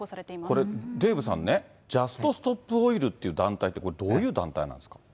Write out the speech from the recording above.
これ、デーブさんね、ジャスト・ストップ・オイルって団体ってこれ、どういう団体なんですか。